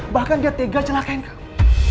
bahkan dia tega celakain kamu